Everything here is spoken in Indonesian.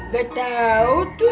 gak tau tuh